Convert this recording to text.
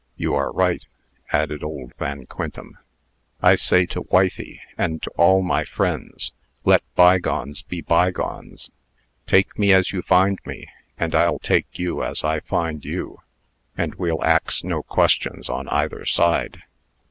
You are right," added old Van Quintem. "I say to wifey, and to all my friends, 'Let bygones be bygones. Take me as you find me, and I'll take you as I find you; and we'll ax no questions on either side.'"